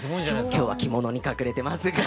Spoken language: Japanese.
今日は着物に隠れてますが。